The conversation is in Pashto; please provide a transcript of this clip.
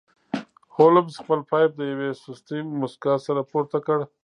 هولمز خپل پایپ د یوې سستې موسکا سره پورته کړ